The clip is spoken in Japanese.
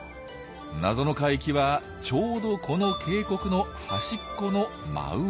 「謎の海域」はちょうどこの渓谷の端っこの真上。